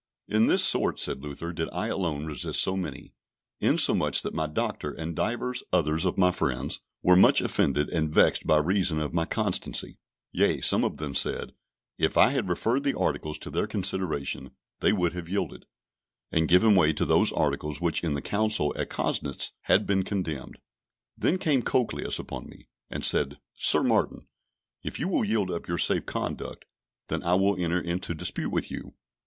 In this sort, said Luther, did I alone resist so many, insomuch that my Doctor, and divers others of my friends, were much offended and vexed by reason of my constancy; yea, some of them said, if I had referred the articles to their consideration, they would have yielded, and given way to those articles which in the council at Costnitz had been condemned. Then came Cocleus upon me, and said, "Sir Martin, if you will yield up your safe conduct, then I will enter into dispute with you."